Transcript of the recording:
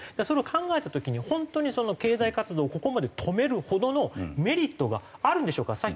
それを考えた時に本当に経済活動をここまで止めるほどのメリットがあるんでしょうか？